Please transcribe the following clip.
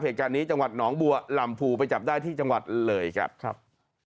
เหตุการณ์นี้จังหวัดหนองบัวลำพูไปจับได้ที่จังหวัดเลยครับครับ